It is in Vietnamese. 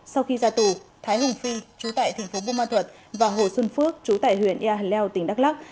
sau khi ra tù thái hùng phi chú tại thành phố bô ma thuật và hồ xuân phước chú tại huyện ea hà leo tỉnh đắk lắc